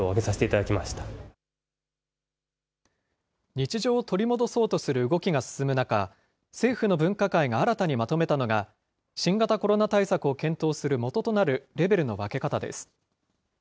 日常を取り戻そうとする動きが進む中、政府の分科会が新たにまとめたのが、新型コロナ対策を検討する元となるレベルの分け方です。